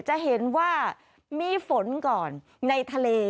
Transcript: จะเห็นว่ามีฝนก่อนในทะเล